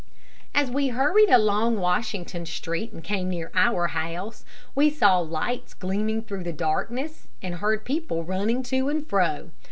As we hurried along Washington street, and came near our house, we saw lights gleaming through the darkness, and heard people running to and fro.